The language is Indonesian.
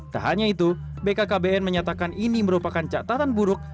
tak hanya itu bkkbn menyatakan ini merupakan catatan buruk